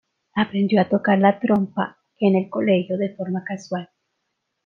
Aprendió a tocar la trompa en el colegio de forma casual.